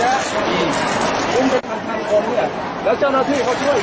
อาหรับเชี่ยวจามันไม่มีควรหยุด